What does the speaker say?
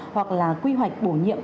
hoặc là quy hoạch bổ nhiệm